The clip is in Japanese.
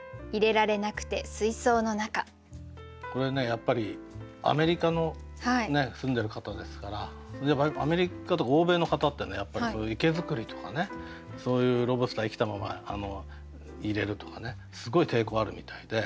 やっぱりアメリカの住んでる方ですからアメリカとか欧米の方ってねやっぱり生け作りとかねそういうロブスター生きたまま入れるとかすごい抵抗あるみたいで。